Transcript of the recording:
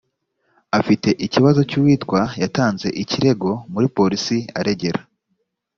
afite ikibazo cy uwitwa yatanze ikirego muripolisi aregera